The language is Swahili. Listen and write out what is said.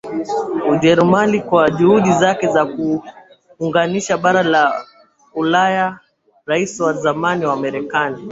Ujerumani kwa juhudi zake za kuliunganisha bara la UlayaRais wa zamani wa Marekani